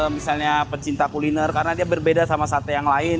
misalnya pecinta kuliner karena dia berbeda sama sate yang lain